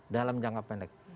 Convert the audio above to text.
dalam jangka pendek